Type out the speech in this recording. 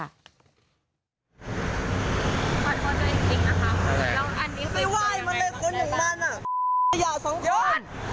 อำนวยค์ติ๊กนะครับไม่อยากส่งพยาบาล